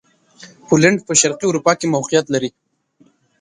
پولېنډ په شرقي اروپا کښې موقعیت لري.